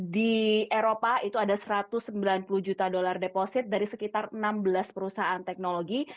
di eropa itu ada satu ratus sembilan puluh juta dolar deposit dari sekitar enam belas perusahaan teknologi